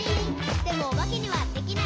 「でもおばけにはできない。」